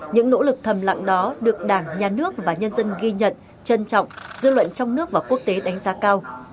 những nỗ lực thầm lặng đó được đảng nhà nước và nhân dân ghi nhận trân trọng dư luận trong nước và quốc tế đánh giá cao